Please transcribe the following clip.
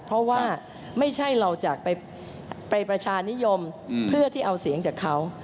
เพราะว่าไม่ใช่เราจะไปประชานิยมเพื่อที่เอาเสียงจากเขา